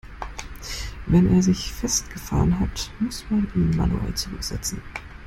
Wenn er sich festgefahren hat, muss man ihn manuell zurücksetzen.